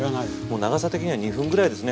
長さ的には２分ぐらいですね。